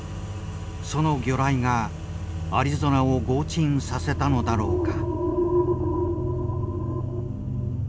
その魚雷がアリゾナを轟沈させたのだろうか。